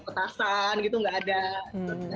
pada saat malamnya nggak ada petasnya